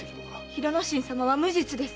広之進様は無実です！